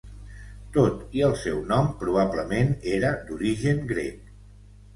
Tot i el seu nom probablement era d'origen grec.